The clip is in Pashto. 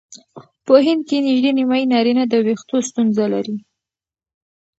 په هند کې نژدې نیمایي نارینه د وېښتو ستونزه لري.